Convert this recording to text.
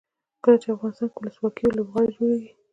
کله چې افغانستان کې ولسواکي وي لوبغالي جوړیږي.